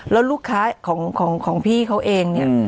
แล้วลูกค้าของพี่เขาเองเนี่ย